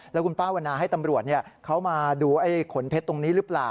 แล้วคุณป้าวันนาให้ตำรวจเขามาดูไอ้ขนเพชรตรงนี้หรือเปล่า